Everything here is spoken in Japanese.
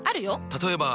例えば。